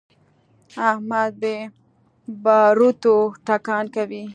احمد بې باروتو ټکان کوي.